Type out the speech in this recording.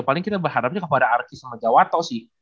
paling kita berharapnya kalau ada archi sama gawatoh sih